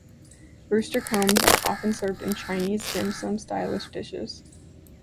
Rooster combs are often served in Chinese dim sum style dishes.